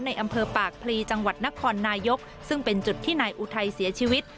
อำเภอปากพลีจังหวัดนครนายกซึ่งเป็นจุดที่นายอุทัยเสียชีวิต